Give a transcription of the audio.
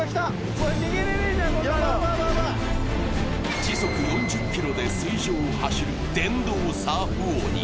時速４０キロで水上を走る電動サーフ鬼。